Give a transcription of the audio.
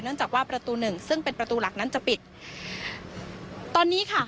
จากว่าประตูหนึ่งซึ่งเป็นประตูหลักนั้นจะปิดตอนนี้ค่ะ